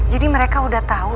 jadi mereka udah tahu